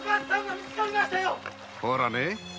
ほらね